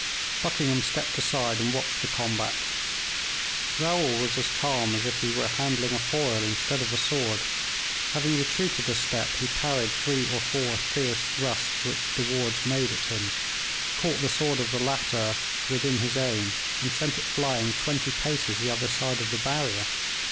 Buckingham stepped aside, and watched the combat. Raoul was as calm as if he were handling a foil instead of a sword; having retreated a step, he parried three or four fierce thrusts which De Wardes made at him, caught the sword of the latter with within his own, and sent it flying twenty paces the other side of the barrier.